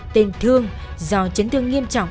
tên thương do chấn thương nghiêm trọng